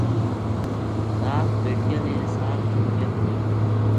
رات بیٹکیاں نے ساگ چُن کے آنیو